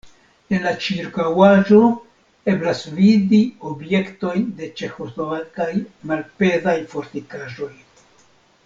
En la ĉirkaŭaĵo eblas vidi objektojn de ĉeĥoslovakaj malpezaj fortikaĵoj.